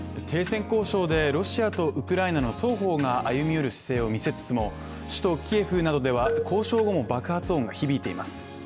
停戦交渉でロシアとウクライナの双方が歩み寄る姿勢を見せつつも首都キエフなどでは交渉後も爆発音が響いています。